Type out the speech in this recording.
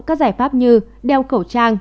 các giải pháp như đeo cẩu trang